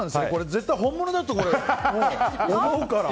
絶対、本物だと思うから。